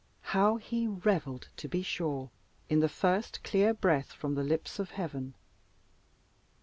How he revelled, to be sure, in the first clear breath from the lips of heaven!